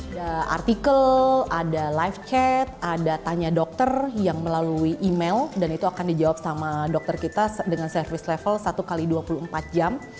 ada artikel ada live chat ada tanya dokter yang melalui email dan itu akan dijawab sama dokter kita dengan service level satu x dua puluh empat jam